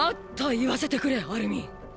言わせてくれアルミン。